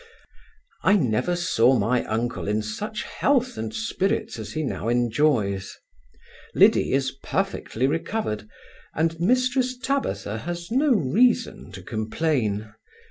I never saw my uncle in such health and spirits as he now enjoys. Liddy is perfectly recovered; and Mrs Tabitha has no reason to complain.